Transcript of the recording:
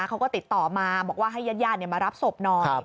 เขาก็ติดต่อมาบอกว่าให้ญาติมารับศพน้อง